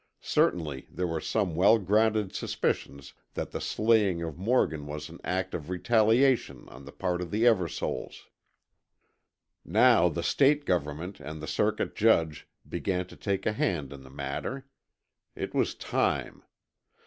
Certainly there were some well grounded suspicions that the slaying of Morgan was an act of retaliation on the part of the Eversoles. Now the State government and the circuit judge began to take a hand in the matter. It was time.